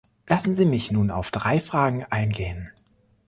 Lassen Sie mich nun auf drei Fragen eingehen.